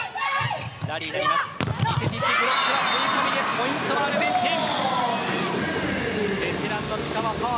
ポイントはアルゼンチン。